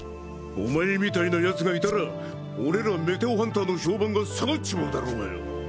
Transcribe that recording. お前みたいな奴がいたら俺らメテオハンターの評判が下がっちまうだろがよ！